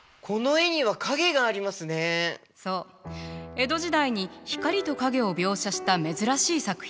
江戸時代に光と影を描写した珍しい作品よ。